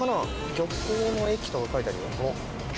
「漁港の駅」とか書いてあるよ。